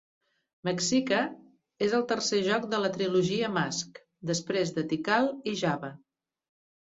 "Mexica" és el tercer joc de la trilogia Mask, després de "Tikal" i "Java".